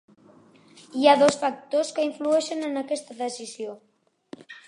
Hi ha dos factors que influeixen en aquesta decisió.